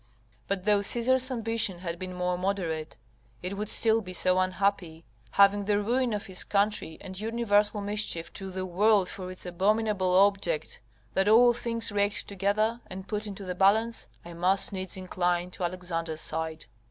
] but though Caesar's ambition had been more moderate, it would still be so unhappy, having the ruin of his country and universal mischief to the world for its abominable object, that, all things raked together and put into the balance, I must needs incline to Alexander's side.